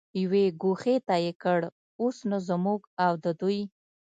یوې ګوښې ته یې کړ، اوس نو زموږ او د دوی.